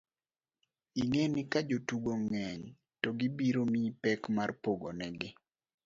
ing'e ni kajotugo ng'eny to gibiro miyi pek mar pogo nigi